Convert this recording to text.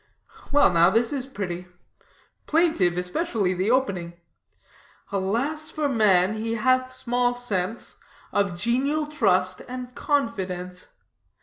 "Well now, this is pretty; plaintive, especially the opening: 'Alas for man, he hath small sense Of genial trust and confidence.'